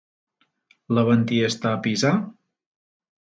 L'Aventí està a Pisa?